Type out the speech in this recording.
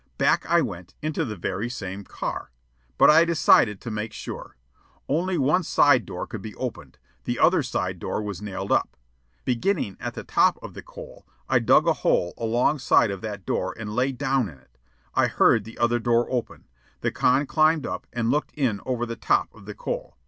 Back I went, into the very same car. But I decided to make sure. Only one side door could be opened. The other side door was nailed up. Beginning at the top of the coal, I dug a hole alongside of that door and lay down in it. I heard the other door open. The con climbed up and looked in over the top of the coal.